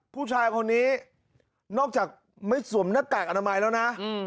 ผู้ชายคนนี้นอกจากไม่สวมหน้ากากอนามัยแล้วนะ